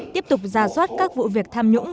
tiếp tục ra soát các vụ việc tham nhũng